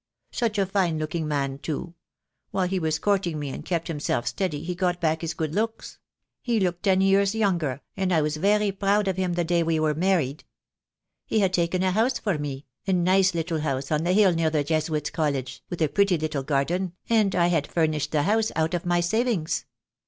Such a fine looking man too. While he was courting me and kept himself steady he got back his good looks. He looked ten years younger, and I was very proud of him the day we were married. He had taken a house for me, a nice little house on the hill near the Jesuits' College, with a pretty little garden, and I had furnished the house out of my savings.